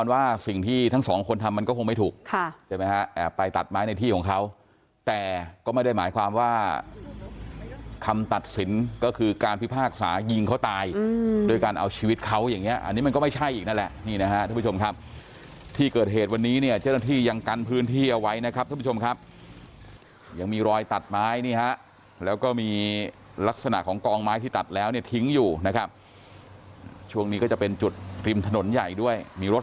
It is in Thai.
ว่าสิ่งที่ทั้งสองคนทำมันก็คงไม่ถูกค่ะใช่ไหมฮะไปตัดไม้ในที่ของเขาแต่ก็ไม่ได้หมายความว่าคำตัดสินก็คือการพิพากษายิงเขาตายอืมด้วยการเอาชีวิตเขาอย่างเงี้ยอันนี้มันก็ไม่ใช่อีกนั่นแหละนี่นะฮะทุกผู้ชมครับที่เกิดเหตุวันนี้เนี่ยเจ้าหน้าที่ยังกันพื้นที่เอาไว้นะครับทุกผู้ชมครับย